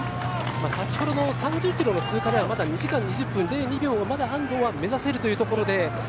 先ほどの３０キロの通過ではまだ２時間２０分０２秒をまだ安藤は目指せるというところで。